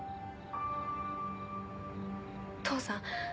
父さん